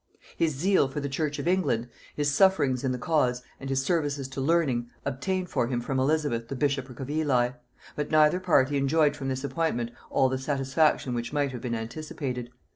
His zeal for the church of England, his sufferings in the cause, and his services to learning, obtained for him from Elizabeth the bishopric of Ely; but neither party enjoyed from this appointment all the satisfaction which might have been anticipated.